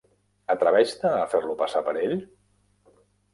Atreveix-te a fer-lo passar per ell?